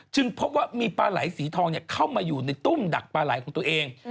พบว่ามีปลาไหลสีทองเข้ามาอยู่ในตุ้มดักปลาไหลของตัวเอง